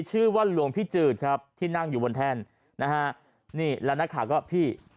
ชื่อว่าหลวงพี่จืดครับที่นั่งอยู่บนแท่นนะฮะนี่แล้วนักข่าวก็พี่